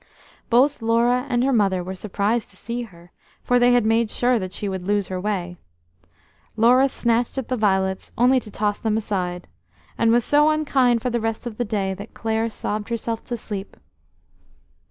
Both Laura and her mother were surprised to see her, for they had made sure that she would lose her way. Laura snatched at the violets, only to toss them aside, and was so unkind for the rest of the day that Clare sobbed herself to sleep.